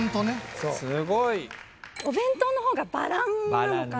お弁当の方がバランなのかな。